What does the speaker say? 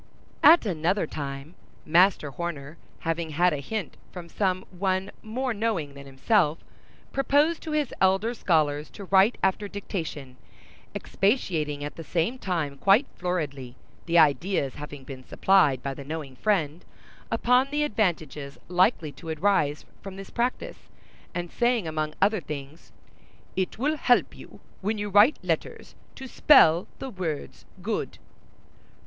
At another time, Master Horner, having had a hint from some one more knowing than himself, proposed to his elder scholars to write after dictation, expatiating at the same time quite floridly (the ideas having been supplied by the knowing friend), upon the advantages likely to arise from this practice, and saying, among other things, "It will help you, when you write letters, to spell the words good."